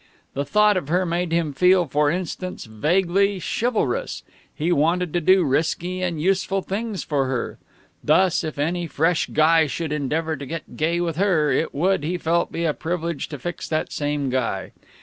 The thought of her made him feel, for instance, vaguely chivalrous. He wanted to do risky and useful things for her. Thus, if any fresh guy should endeavor to get gay with her, it would, he felt, be a privilege to fix that same guy.